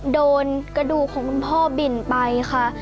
โดนกระดูกของคุณพ่อบินไปค่ะ